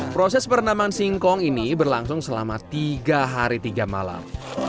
proses perendaman singkong ini berlangsung selama tiga hari tiga malam